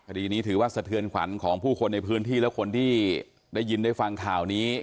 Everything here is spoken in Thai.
คดีนี้ถือว่าสะเทือนขวัญของผู้คนในพื้นที่และคนที่ได้ยินได้ฟังข่าวนี้